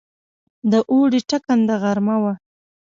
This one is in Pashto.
د اوړي ټکنده غرمه وه.